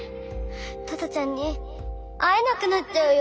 トトちゃんに会えなくなっちゃうよ！